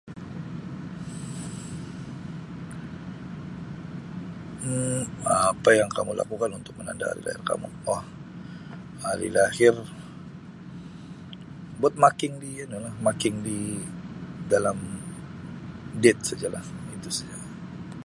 "Um Apa yang kamu lakukan untuk menandakan hari lahir kamu wah hari lahir buat ""marking"" di anu lah ""marking"" di dalam ""date"" saja lah itu saja lah."